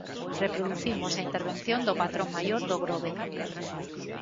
Reproducimos a intervención do patrón maior do Grove.